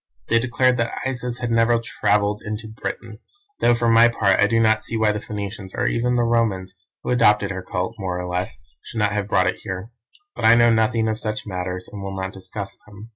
They declared that Isis had never travelled into Britain, though for my part I do not see why the Phoenicians, or even the Romans, who adopted her cult, more or less, should not have brought it here. But I know nothing of such matters and will not discuss them.